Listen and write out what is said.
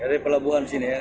dari pelabuhan sini ya